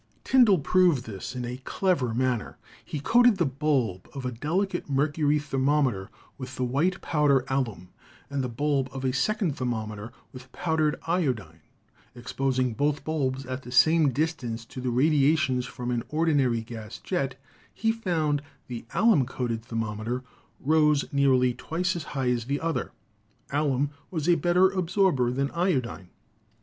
Tyndall proved this in a clever manner. He coated the THE NATURE OF LIGHT 113 bulb of a delicate mercury thermometer with the white powder alum and the bulb of a second thermometer with powdered iodine. Exposing both bulbs at the same dis tance to the radiations from an ordinary gas jet, he found the alum coated thermometer rose nearly twice as high as the other; alum was a better absorber than iodine.